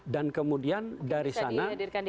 dan kemudian dari sana